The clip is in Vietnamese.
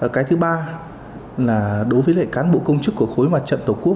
cái thứ ba đối với cán bộ công chức của khối mặt trận tổ quốc